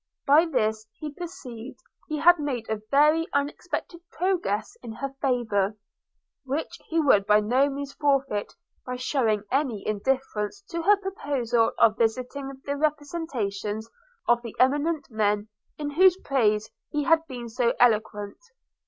By this he perceived he had made a very unexpected progress in her favour; which he would by no means forfeit by shewing any indifference to her proposal of visiting the representations of the eminent men in whose praise he had been so eloquent.